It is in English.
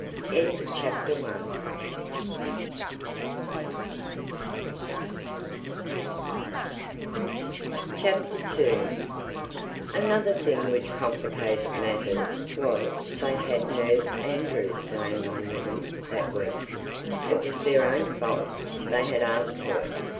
II Another thing which complicated matters was they had Nurse Andrews staying on with them that week. It was their own fault; they had asked her.